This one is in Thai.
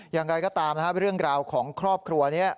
อย่างไรก็ตามนะครับเรื่องราวของครอบครัวนี้